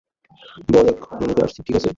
বল এক মিনিটে আসছি, ঠিক আছে?